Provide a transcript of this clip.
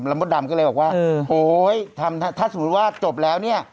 แล้วมดดำก็เลยบอกว่าโอ๊ยถ้าสมมุติว่าจบแล้วเนี่ย